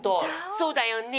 そうだよね。